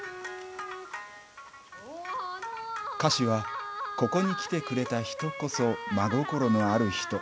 歌詞は、「ここに来てくれた人こそ真心のある人。